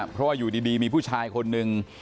เพราะว่าอยู่ดีมีผู้ชายคนหนึ่ง